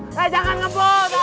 eh jangan ngobrol